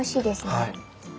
はい。